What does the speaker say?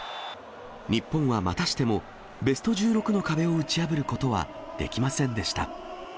日本はまたしても、ベスト１６の壁を打ち破ることはできませんでした。